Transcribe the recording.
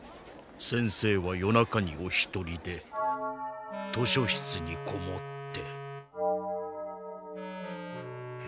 先生は夜中にお一人で図書室にこもって。